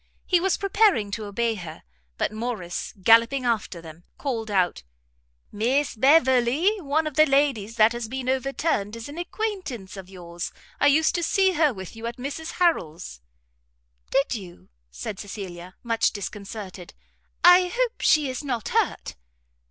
He was preparing to obey her, but Morrice, gallopping after them, called out, "Miss Beverley, one of the ladies that has been overturned, is an acquaintance of yours. I used to see her with you at Mrs Harrel's." "Did you?" said Cecilia, much disconcerted, "I hope she is not hurt?'